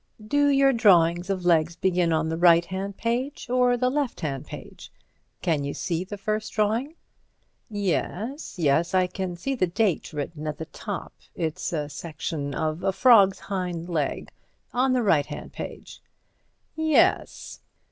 "Do your drawings of legs begin on the right hand page or the left hand page? Can you see the first drawing?" "Yes—yes—I can see the date written at the top. It's a section of a frog's hind leg, on the right hand page." "Yes.